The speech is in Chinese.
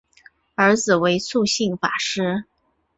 儿子为素性法师。